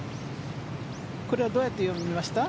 これはどうやって読みました？